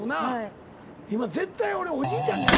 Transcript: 今絶対俺おじいちゃんの役やもんな。